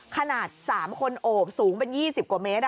ขนาด๓คนโอบสูงเป็น๒๐กว่าเมตร